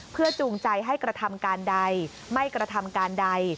เพื่อจูงใจให้กระทำการใดไม่กระทำการใด